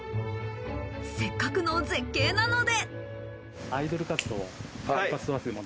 せっかくの絶景なので。